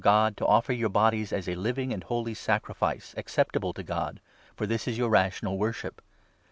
God, to offer your bodies as a living and holy sacrifice, acceptable to God, for this is your rational worship.